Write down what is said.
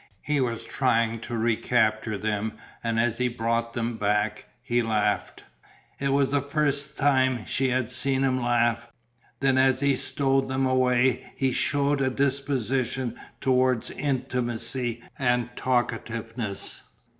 He was trying to recapture them and as he brought them back he laughed. It was the first time she had seen him laugh. Then as he stowed them away he shewed a disposition towards intimacy and talkativeness.